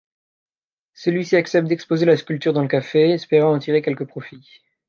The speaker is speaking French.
Celui-ci accepte d'exposer la sculpture dans le café, espérant en tirer quelque profit.